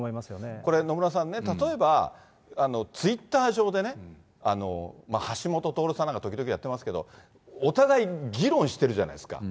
これ、野村さんね、例えば、ツイッター上でね、橋下徹さんなんか時々やってますけど、お互い議論してるじゃないですか。